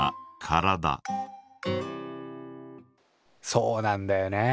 そうなんだよね